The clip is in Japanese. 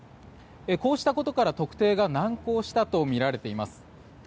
こうしたことから、特定が難航したとみられています。